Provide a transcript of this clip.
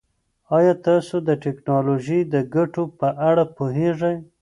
ایا تاسو د ټکنالوژۍ د ګټو په اړه پوهېږئ؟